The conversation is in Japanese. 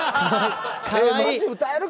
歌える。